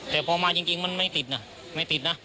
แต่พอมาจริงมันไม่ติดนะ